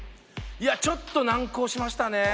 いやちょっと難航しましたね。